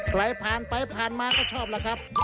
ใครผ่านไปผ่านมาก็ชอบแล้วครับ